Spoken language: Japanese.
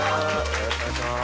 よろしくお願いします